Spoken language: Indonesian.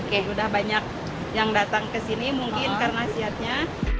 sudah banyak yang datang ke sini mungkin karena hasilnya